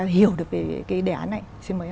hiểu được về cái đề án này